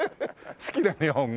好きな日本語。